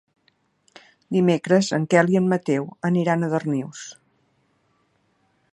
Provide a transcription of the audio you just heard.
Dimecres en Quel i en Mateu aniran a Darnius.